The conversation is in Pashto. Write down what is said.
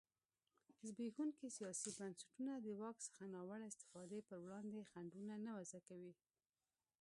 زبېښونکي سیاسي بنسټونه د واک څخه ناوړه استفادې پر وړاندې خنډونه نه وضعه کوي.